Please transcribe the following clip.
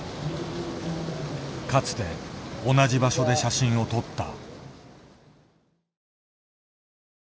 かつて同じ場所で写真を撮った。